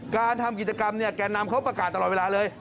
การทำกิจกรรมเนี่ยแก่นำเขาประกาศตลอดเวลาเลย